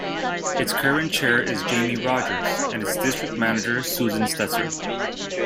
Its current chair is Jamie Rogers, and its district manager Susan Stetzer.